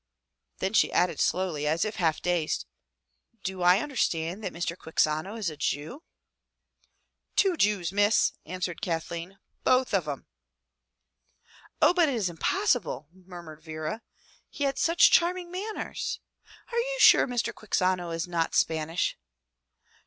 Then she added slowly, as if half dazed, "Do I understand that Mr. Quixano is a Jew?" 184 FROM THE TOWER WINDOW "Two Jews, Miss," answered Kathleen, "both of 'em/' "Oh, but it is impossible," murmured Vera. "He had such charming manners. Are you sure Mr. Quixano is not Spanish?"